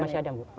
masih ada bu